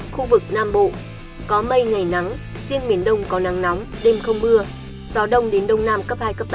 khu vực nam bộ có mây ngày nắng riêng miền đông có nắng nóng đêm không mưa gió đông đến đông nam cấp hai cấp ba